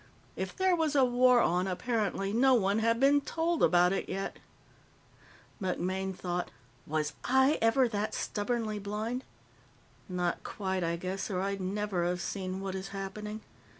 If there was a war on, apparently no one had been told about it yet. MacMaine thought, Was I ever that stubbornly blind? Not quite, I guess, or I'd never have seen what is happening.